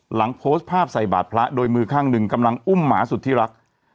หลังโพสต์ภาพใส่บาดพระโดยมือข้างหนึ่งกำลังอุ้มหมาสุดที่รัก